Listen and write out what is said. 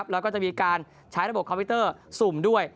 แล้วก็จะมีการใช้ระบบคอมพิวเตอร์สุ่มด้วย